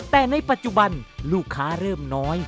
แต่ในปัจจุบันลูกค้าเริ่มน้อย